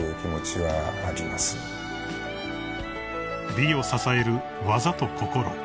［美を支える技と心］